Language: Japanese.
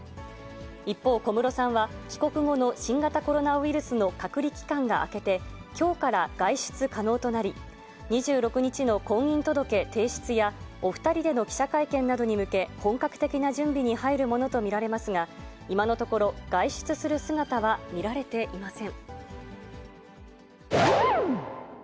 一方、小室さんは帰国後の新型コロナウイルスの隔離期間が明けて、きょうから外出可能となり、２６日の婚姻届提出や、お２人での記者会見などに向け、本格的な準備に入るものと見られますが、今のところ、外出する姿は見られていません。